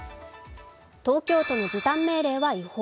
東京都の時短命令は違法。